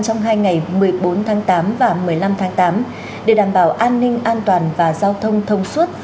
trong hai ngày một mươi bốn tháng tám và một mươi năm tháng tám để đảm bảo an ninh an toàn và giao thông thông suốt